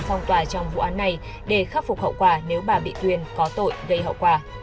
phong tỏa trong vụ án này để khắc phục hậu quả nếu bà bị tuyền có tội gây hậu quả